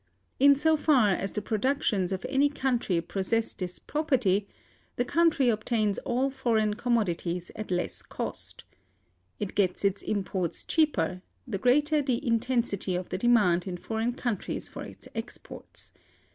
In so far as the productions of any country possess this property, the country obtains all foreign commodities at less cost. It gets its imports cheaper, the greater the intensity of the demand in foreign countries for its exports.